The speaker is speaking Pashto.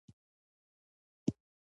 لمریز ځواک د افغانستان د اقلیم ځانګړتیا ده.